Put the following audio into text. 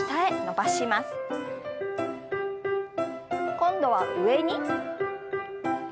今度は上に。